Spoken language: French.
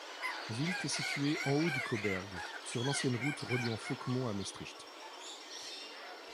Vilt est situé en haut du Cauberg, sur l'ancienne route reliant Fauquemont à Maestricht.